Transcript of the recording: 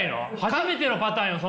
初めてのパターンよ！